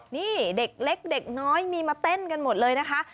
นี่เด็กเล็กเด็กน้อยมีมาเต้นกันหมดเลยนะคะ